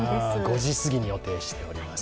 ５時すぎに予定しております。